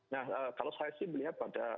nah kalau saya sih belinya berinvestasi